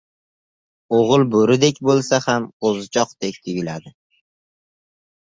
• O‘g‘il bo‘ridek bo‘lsa ham qo‘zichoqdek tuyuladi.